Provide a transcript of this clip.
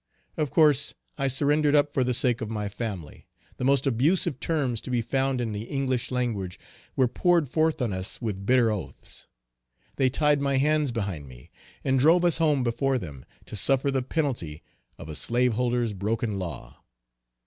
Of course I surrendered up for the sake of my family. The most abusive terms to be found in the English language were poured forth on us with bitter oaths. They tied my hands behind me, and drove us home before them, to suffer the penalty of a slaveholder's broken law.